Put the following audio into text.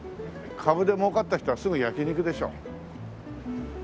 株で儲かった人はすぐ焼き肉でしょ。